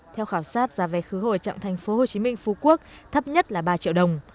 theo khảo sát giá vé khứ hồi trạng thành phố hồ chí minh phú quốc thấp nhất là ba triệu đồng